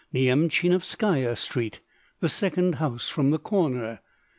Nyemchinovskaya Street, the second house from the corner."